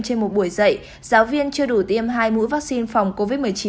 trên một buổi dạy giáo viên chưa đủ tiêm hai mũi vaccine phòng covid một mươi chín